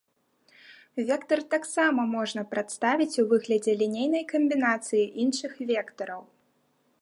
Вектар таксама можна прадставіць у выглядзе лінейнай камбінацыі іншых вектараў.